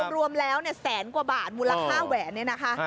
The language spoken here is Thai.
รวมแล้ว๑๐๐๐๐๐กว่าบาทมูลค่าแหวนนี่นะคะ